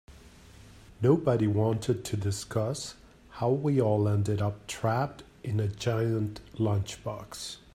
Nobody wanted to discuss how we all ended up trapped in a giant lunchbox.